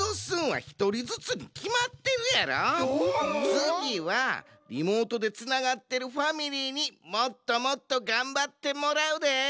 つぎはリモートでつながってるファミリーにもっともっとがんばってもらうで！